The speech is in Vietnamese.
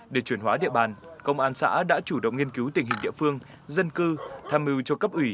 để chuyển hóa địa bàn công an xã đã chủ động nghiên cứu tình hình địa phương dân cư tham mưu cho cấp ủy